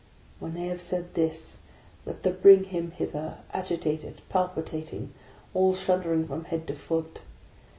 " When they have said this, let them bring him hither, agitated, palpitating, all shuddering from head to foot.